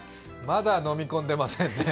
まだ飲み込んでませんね。